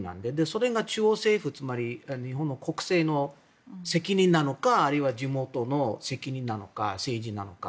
それが中央政府つまり日本の国政の責任なのかあるいは地元の責任なのか政治なのか